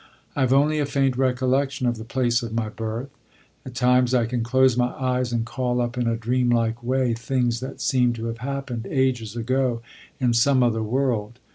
I have only a faint recollection of the place of my birth. At times I can close my eyes and call up in a dreamlike way things that seem to have happened ages ago in some other world.